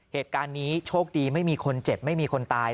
เหตุการณ์นี้โชคดีไม่มีคนเจ็บไม่มีคนตาย